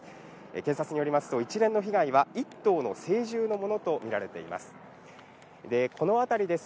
警察によりますと一連の被害は１頭の成獣のものとみられています。